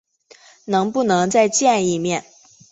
能不能再见一面？